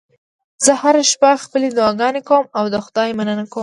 زه هره شپه خپلې دعاګانې کوم او د خدای مننه کوم